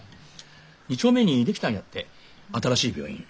２丁目に出来たんやって新しい病院。